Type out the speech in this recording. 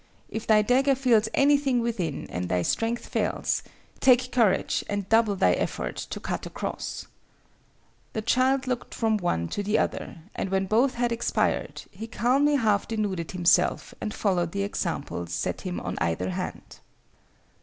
If thy dagger feels anything within and thy strength fails, take courage and double thy effort to cut across.' The child looked from one to the other, and when both had expired, he calmly half denuded himself and followed the example set him on either hand."